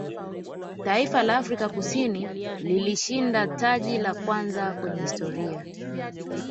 taifa la afrika Kusini lilishinda taji la kwanza kwenye historia